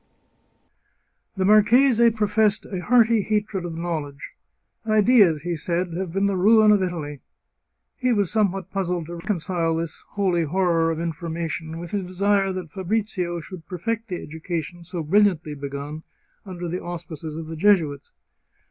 The marchese professed a hearty hatred of knowledge, " Ideas," he said, " have been the ruin of Italy." He was somewhat puzzled to reconcile this holy horror of informa tion with his desire that Fabrizio should perfect the educa tion so brilliantly begun under the auspices of the Jesuits.